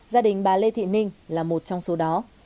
gia đình bà lê thị ninh là một trong số đó